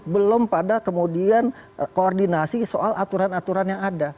belum pada kemudian koordinasi soal aturan aturan yang ada